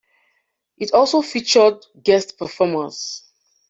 It also featured guest performers.